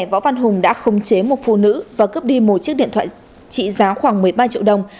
võ văn hùng đã không chế một phụ nữ và cướp đi một chiếc điện thoại trị giá khoảng một mươi ba triệu đồng